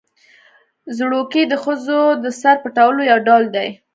ځړوکی د ښځو د سر پټولو یو ډول دی